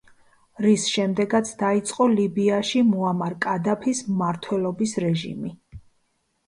რის შემდეგაც დაიწყო ლიბიაში მუამარ კადაფის მმართველობის რეჟიმი.